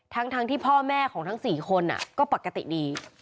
ทั้งที่พ่อแม่ของทั้ง๔คนก็ปกติดี